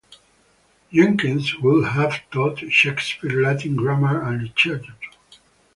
Jenkins would have taught Shakespeare Latin grammar and literature.